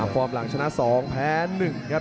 ฟอร์มหลังชนะ๒แพ้๑ครับ